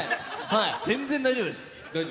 全然大丈夫です。